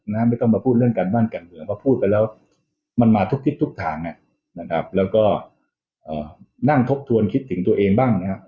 ไม่ต้องมาพูดเรื่องการบ้านการเมืองเพราะพูดไปแล้วมันมาทุกทิศทุกทางนะครับแล้วก็นั่งทบทวนคิดถึงตัวเองบ้างนะครับ